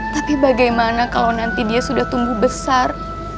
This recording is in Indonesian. tapi bagaimana kalau nanti dia sudah tumbuh besar